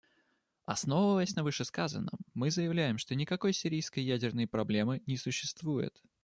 Основываясь на вышесказанном, мы заявляем, что никакой сирийской ядерной проблемы не существует.